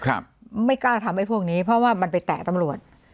ครับไม่กล้าทำให้พวกนี้เพราะว่ามันไปแตะตำรวจ